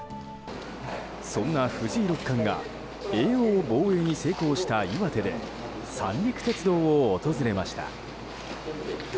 そんな藤井六冠が叡王防衛に成功した岩手で三陸鉄道を訪れました。